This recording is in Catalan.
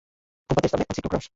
Competeix també en ciclocròs.